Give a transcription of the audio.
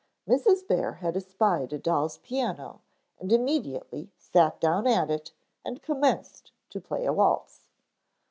Mrs. Bear had espied a doll's piano and immediately sat down at it and commenced to play a waltz.